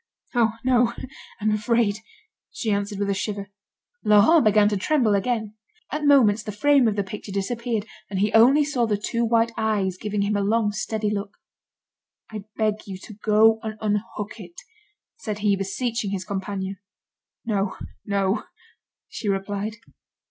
"Oh! no, I'm afraid," she answered with a shiver. Laurent began to tremble again. At moments the frame of the picture disappeared, and he only saw the two white eyes giving him a long, steady look. "I beg you to go and unhook it," said he, beseeching his companion. "No, no," she replied.